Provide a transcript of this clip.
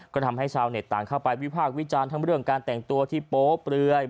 ก็ทำให้ชาวเน็ตต่างเข้าไปวิพากษ์วิจารณ์ทั้งเรื่องการแต่งตัวที่โป๊เปลือย